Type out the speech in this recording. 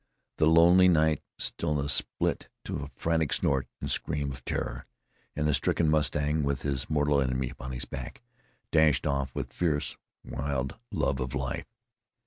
The lonely night stillness split to a frantic snort and scream of terror, and the stricken mustang with his mortal enemy upon his back, dashed off with fierce, wild love of life.